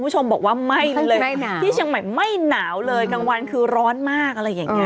เชียงใหม่ไม่หนาวเลยกลางวันคือร้อนมากอะไรอย่างนี้